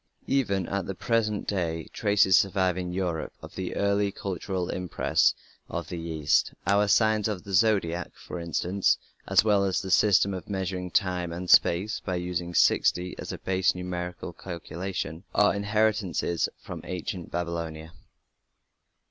Even at the present day traces survive in Europe of the early cultural impress of the East; our "Signs of the Zodiac", for instance, as well as the system of measuring time and space by using 60 as a basic numeral for calculation, are inheritances from ancient Babylonia.